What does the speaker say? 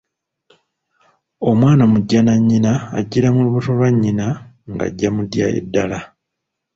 Omwana omujjanannyina ajjira mu lubuto lwa nnyina ng'ajja mu ddya eddala.